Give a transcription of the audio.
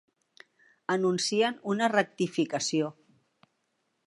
Anuncien una rectificació.